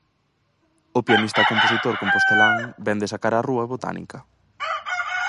O pianista e compositor compostelán vén de sacar á rúa 'Botánica'.